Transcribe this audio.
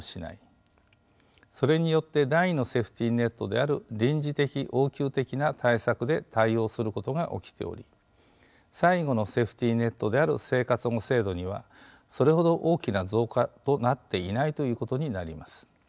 それによって第２のセーフティーネットである臨時的・応急的な対策で対応することが起きており最後のセーフティーネットである生活保護制度にはそれほど大きな増加となっていないということになります。